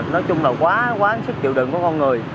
nói chung là quá quá sức chịu đựng của con người